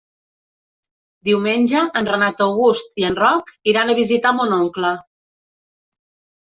Diumenge en Renat August i en Roc iran a visitar mon oncle.